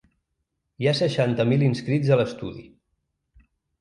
Hi ha seixanta mil inscrits a l’estudi.